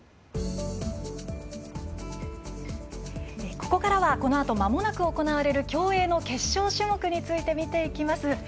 ここからはこのあとまもなく行われる競泳の決勝種目について見ていきます。